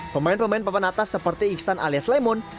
pemain pemain papan atas seperti iksan alias lemon